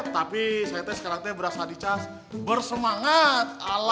tapi saya sekarang berasa di cas bersemangat ala